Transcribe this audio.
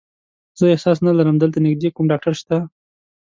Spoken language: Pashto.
زه ښه احساس نه لرم، دلته نږدې کوم ډاکټر شته؟